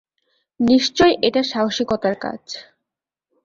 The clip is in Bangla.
নিশ্চয় এটা সাহসিকতার কাজ।